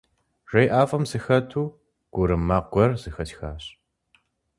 Жей ӀэфӀым сыхэту, гурым макъ гуэр зэхэсхащ.